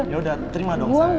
ya udah terima dong